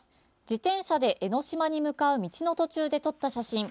自転車で江の島に向かう道の途中で撮った写真。